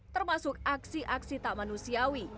termasuk aksi aksi tak manusiawi